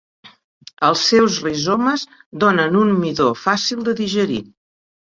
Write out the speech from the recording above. Els seus rizomes donen un midó fàcil de digerir.